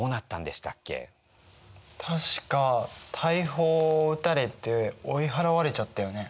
確か大砲を撃たれて追い払われちゃったよね。